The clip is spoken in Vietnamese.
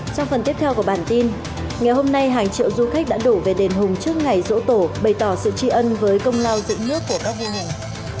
trong phần tiếp theo của bản tin ngày hôm nay hàng triệu du khách đã đổ về đền hùng trước ngày rỗ tổ bày tỏ sự tri ân với công lao dựng nước của đắc viên hình